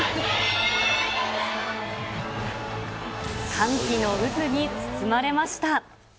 歓喜の渦に包まれました。